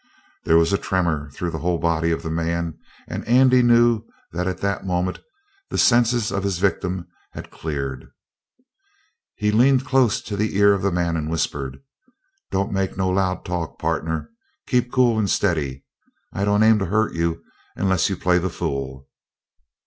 There was a tremor through the whole body of the man, and Andy knew that at that moment the senses of his victim had cleared. He leaned close to the ear of the man and whispered: "Don't make no loud talk, partner. Keep cool and steady. I don't aim to hurt you unless you play the fool."